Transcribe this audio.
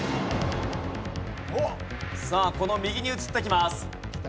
さあこの右に映ってきます。